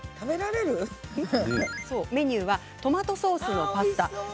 メニューはトマトソースのパスタです。